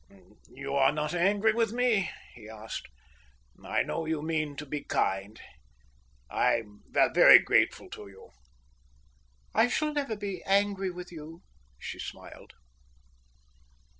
"You are not angry with me?" he asked. "I know you mean to be kind. I'm very grateful to you." "I shall never be angry with you," she smiled.